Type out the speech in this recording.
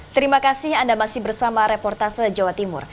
terima kasih anda masih bersama reportase jawa timur